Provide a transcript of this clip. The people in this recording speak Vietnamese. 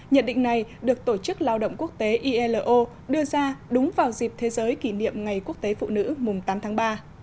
nhận định này được tổ chức lao động quốc tế ilo đưa ra đúng vào dịp thế giới kỷ niệm ngày quốc tế phụ nữ mùng tám tháng ba